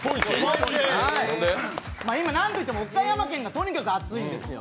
今、なんといっても岡山県がとにかく熱いんですよ。